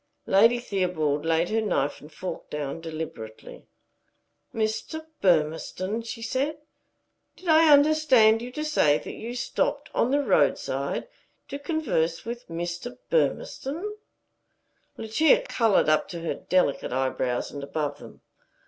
Lady Theobald laid her knife and fork down deliberately. "Mr. Burmistone?" she said. "Did I understand you to say that you stopped on the roadside to converse with Mr. Burmistone?" Lucia colored up to her delicate eyebrows and above them.